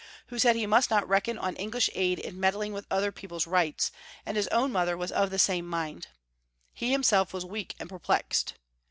who said he must not reckon on English aid in meddling with other people's rights, and his own mother was of the same mind. He himself was weak and perplexed.